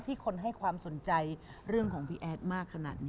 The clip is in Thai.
คนให้ความสนใจเรื่องของพี่แอดมากขนาดนี้